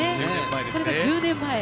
それが１０年前。